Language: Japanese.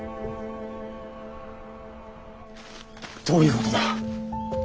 どういうことだ。